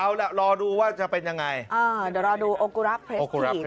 เอาละรอดูว่าจะเป็นยังไงอ่าเดี๋ยวรอดูโอกุลัพย์วันนี้